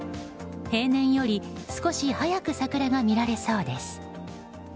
平年より少し早く桜が見られそうです。